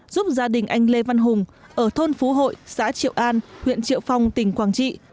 giúp gia đình anh lê văn hùng ở thôn phú hội xã triệu an huyện triệu phong tỉnh quảng trị